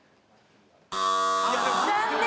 残念。